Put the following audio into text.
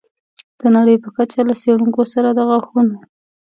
د نړۍ په کچه له څېړونکو سره د غاښونو